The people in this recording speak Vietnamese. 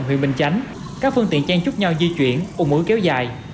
huyện bình chánh các phương tiện trang trúc nhau di chuyển ùn ứ kéo dài